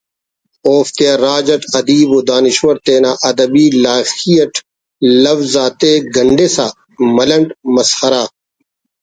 اوفتیا راج اٹ ادیب و دانشور تینا ادبی لائخی اٹ لوز آتے گنڈسا ملنڈ مسخرہ